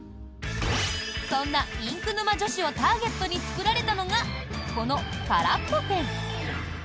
そんなインク沼女子をターゲットに作られたのがこの、からっぽペン！